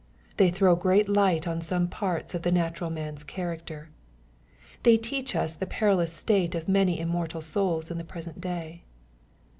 They throw great light on some parts of the natural man's character. They teach us the perilous state of many immortal souls in the present day.